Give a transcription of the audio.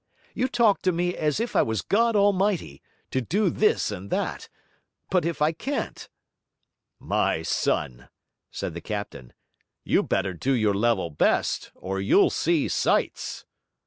'You talk to me as if I was God Almighty, to do this and that! But if I can't?' 'My son,' said the captain, 'you better do your level best, or you'll see sights!'